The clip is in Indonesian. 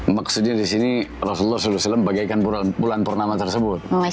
maksudnya di sini rasulullah saw bagaikan bulan purnama tersebut